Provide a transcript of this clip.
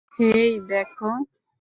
হেই, দেখ।